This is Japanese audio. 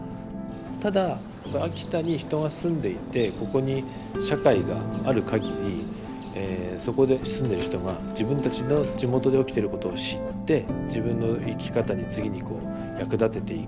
ただ秋田に人が住んでいてここに社会があるかぎりそこで住んでる人が自分たちの地元で起きてることを知って自分の生き方に次にこう役立てていく。